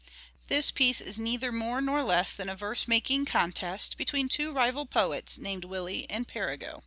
This piece is neither more nor less than a verse making contest between two rival poets named "Willie " and " Perigot."